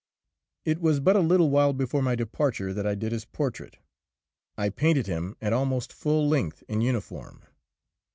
It was but a little while before my departure that I did his portrait. I painted him at almost full length, in uniform.